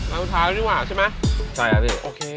เอาทาดีกว่าใช่ไหมใช่ล่ะพี่